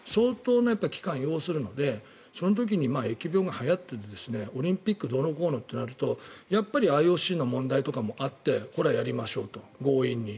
相当な期間を要するのでその時に疫病がはやってオリンピックどうのこうのとなるとやっぱりＩＯＣの問題もあってこれはやりましょうと、強引に。